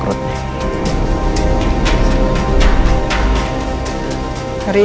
sini mampir yuk